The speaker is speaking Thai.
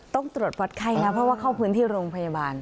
ต้องตรวจวัดไข้นะเพราะว่าเข้าพื้นที่โรงพยาบาล